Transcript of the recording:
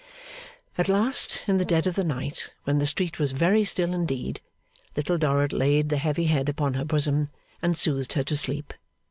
At last, in the dead of the night, when the street was very still indeed, Little Dorrit laid the heavy head upon her bosom, and soothed her to sleep.